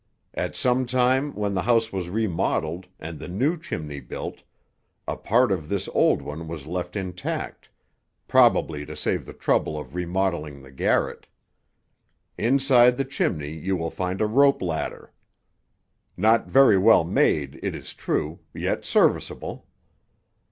At some time when the house was remodeled, and the new chimney built, a part of this old one was left intact, probably to save the trouble of remodeling the garret. Inside the chimney you will find a rope ladder—not very well made, it is true, yet serviceable.